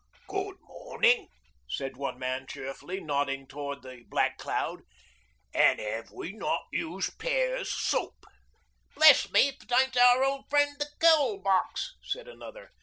'Good mornin',' said one man cheerfully, nodding towards the black cloud. 'An' we 'ave not used Pears' soap.' 'Bless me if it ain't our old friend the Coal Box,' said another.